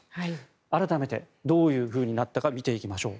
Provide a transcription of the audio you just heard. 改めてどうなったか見ていきましょう。